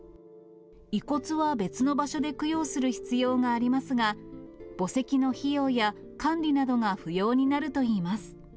遺骨は別の場所で供養する必要がありますが、墓石の費用や管理などが不要になるといいます。